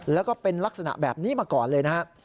แล้วก็เป็นลักษณะแบบนี้มาก่อนเลยนะครับ